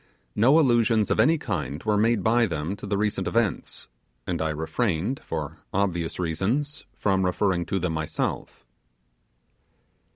No allusions of any kind were made by them to the recent events; and I refrained, for obvious reasons, from referring to them myself.